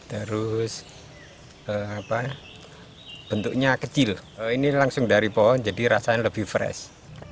terus bentuknya kecil ini langsung dari pohon jadi rasanya lebih fresh